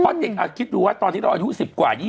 เพราะเด็กคิดดูว่าตอนที่เราอายุ๑๐กว่า